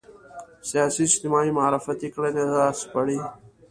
سیاسي اجتماعي معرفتي کړنې راسپړي